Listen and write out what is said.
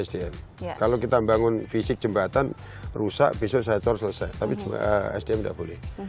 sdm kalau kita membangun fisik jembatan rusak besok sektor selesai tapi sdm tidak boleh